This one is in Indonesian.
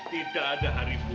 tidak ada hari buruk